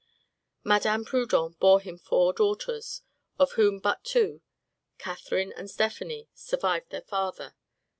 Madame Proudhon bore him four daughters, of whom but two, Catherine and Stephanie, survived their father.